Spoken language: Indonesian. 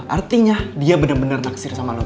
artinya dia bener bener tak sir sama lo